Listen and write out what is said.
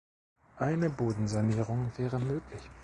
Eine Bodensanierung wäre möglich.